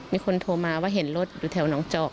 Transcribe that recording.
มีคนโทรมาว่าเห็นรถอยู่แถวหนองจอก